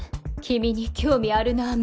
「君に興味あるなぁ」